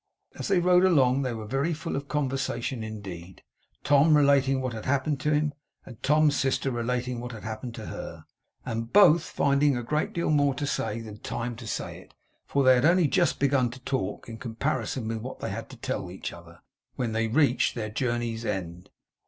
As they rode along they were very full of conversation indeed, Tom relating what had happened to him, and Tom's sister relating what had happened to her, and both finding a great deal more to say than time to say it in; for they had only just begun to talk, in comparison with what they had to tell each other, when they reached their journey's end.